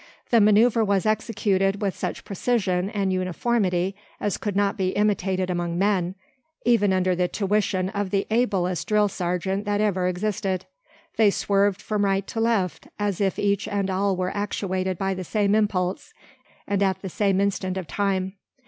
The manoeuvre was executed with such precision and uniformity, as could not be imitated among men, even under the tuition of the ablest drill sergeant that ever existed. They swerved from right to left, as if each and all were actuated by the same impulse, and at the same instant of time.